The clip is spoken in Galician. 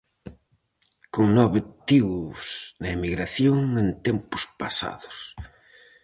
Con nove tíos na emigración en tempos pasados.